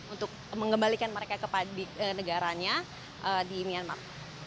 untuk mengembalikan mereka ke negaranya di myanmar